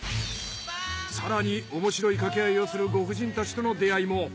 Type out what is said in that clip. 更におもしろい掛け合いをするご婦人たちとの出会いも。